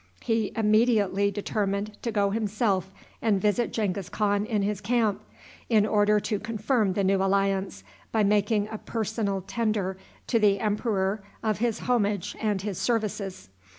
He immediately determined to go himself and visit Genghis Khan in his camp, in order to confirm the new alliance by making a personal tender to the emperor of his homage and his services.